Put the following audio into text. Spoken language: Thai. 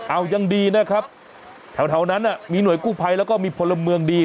เอายังดีนะครับแถวนั้นมีหน่วยกู้ภัยแล้วก็มีพลเมืองดี